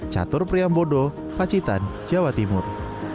catur priambodo pacitan jawa timur